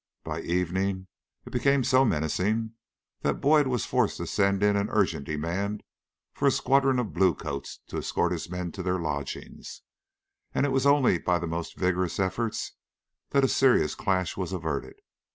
By evening it became so menacing that Boyd was forced to send in an urgent demand for a squadron of bluecoats to escort his men to their lodgings, and it was only by the most vigorous efforts that a serious clash was averted.